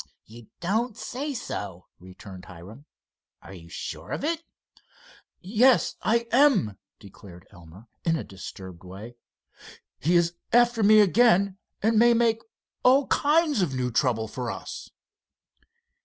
"You don't say so," returned Hiram. "Are you sure of it?" "Yes, I am," declared Elmer, in a disturbed way. "He is after me again, and may make all kinds of new trouble for us."